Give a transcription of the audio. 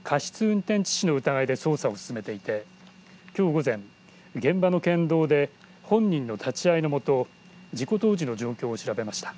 運転致死の疑いで捜査を進めていてきょう午前、現場の県道で本人の立ち会いの下事故当時の状況を調べました。